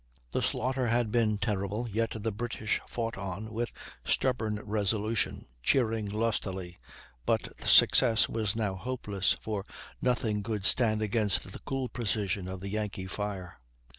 The slaughter had been terrible, yet the British fought on with stubborn resolution, cheering lustily. But success was now hopeless, for nothing could stand against the cool precision of the Yankee fire.